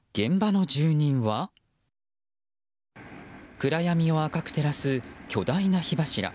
暗闇を赤く照らす巨大な火柱。